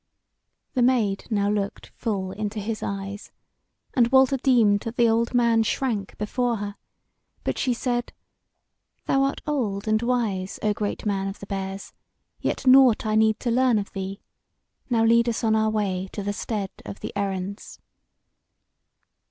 The Maid now looked full into his eyes, and Walter deemed that the old man shrank before her; but she said: "Thou art old and wise, O great man of the Bears, yet nought I need to learn of thee. Now lead us on our way to the Stead of the Errands."